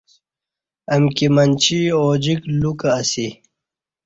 امکی منچی اوجیک لوکہ اسی